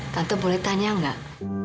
tante boleh tanya gak